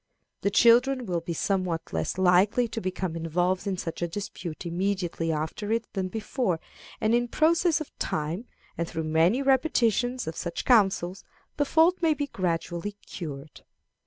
The children will be somewhat less likely to become involved in such a dispute immediately after it than before, and in process of time, and through many repetitions of such counsels, the fault may be gradually cured.